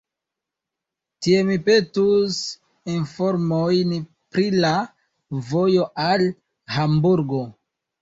Tie mi petus informojn pri la vojo al Hamburgo.